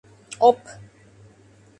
Оп!..